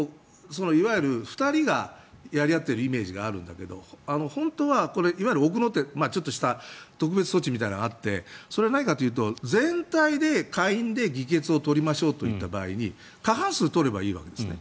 いわゆる２人がやり合っているイメージがあるんだけど本当は奥の手、ちょっとした特別措置みたいなのがあってそれは何かというと全体で下院で議決を取りましょうといった場合に過半数を取ればいいわけですね。